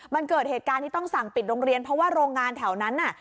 มันเกิดเหตุการณ์ที่ต้องสั่งปิดโรงเรียนเพราะว่าโรงงานแถวนั้นน่ะ